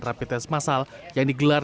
rapitens masal yang digelar